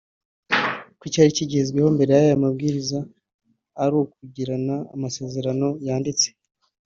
ko icyari kigezweho mbere y’aya mabwiriza ari ukugirana amasezerano yanditse